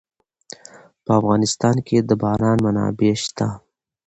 په افغانستان کې د باران منابع شته.